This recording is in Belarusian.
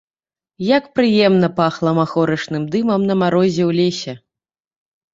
Як прыемна пахла махорачным дымам на марозе ў лесе.